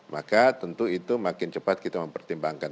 maka tentu itu makin cepat kita mempertimbangkan